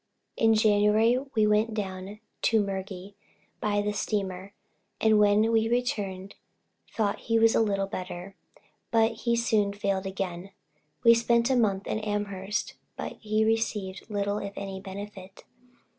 In January we went down to Mergui by the steamer, and when we returned, thought he was a little better, but he soon failed again. We spent a month at Amherst, but he received little if any benefit.